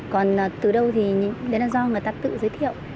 còn từ đâu thì đấy là do người ta tự giới thiệu